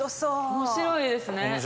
面白いですね。